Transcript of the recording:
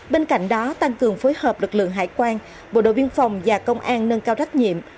bên cạnh đó tăng cường phối hợp lực lượng hải quan bộ đội biên phòng và công an nâng cao trách nhiệm